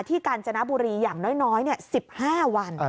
ที่กาญจนบุรีอย่างน้อยสิบห้าวัน